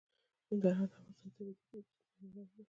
ننګرهار د افغانستان د طبیعي پدیدو یو رنګ دی.